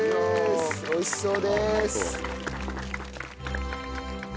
美味しそうです。